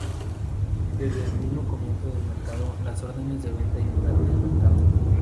Desde el mismo comienzo del mercado, las órdenes de venta inundaron el mercado.